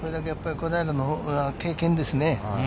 小平の経験ですね。